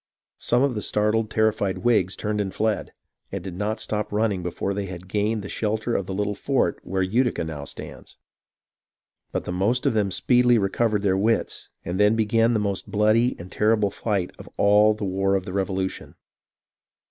Some of the startled, terrified Whigs turned and fled, and did not stop running before they had gained the shelter of the little fort where Utica now stands ; but the most of them speedily recovered their wits, and then began the most bloody and terrible fight of all the war of the Revolu tion.